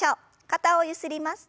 肩をゆすります。